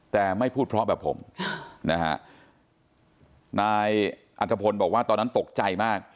แต่ไม่พูดเพราะแบบผมนะฮะนายอัตภพลบอกว่าตอนนั้นตกใจมาก